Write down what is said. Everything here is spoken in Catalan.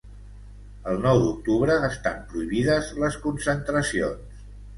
El Nou d'Octubre estan prohibides les concentracions